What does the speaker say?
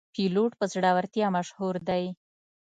پیلوټ په زړورتیا مشهور دی.